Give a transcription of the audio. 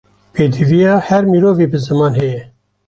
Pêdiviya her mirovî, bi ziman heye